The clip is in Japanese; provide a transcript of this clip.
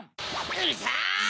うるさい！